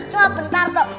cuma bentar tok